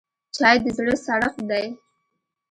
چای د زړه سړښت دی